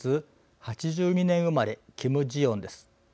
８２年生まれ、キム・ジヨンです。